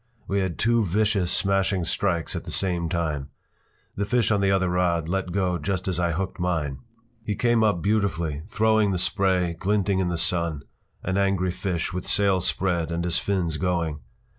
We had two vicious, smashing strikes at the same time. The fish on the other rod let go just as I hooked mine. He came up beautifully, throwing the spray, glinting in the sun, an angry fish with sail spread and his fins going.